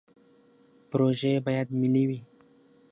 پروژې باید ملي وي